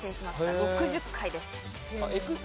６０回です。